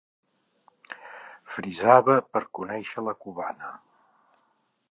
Frisava per conèixer la cubana.